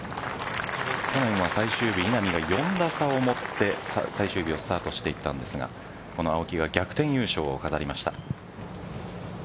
去年は最終日稲見が４打差をもって最終日をスタートしていったんですがこの青木が逆転優勝を飾りました。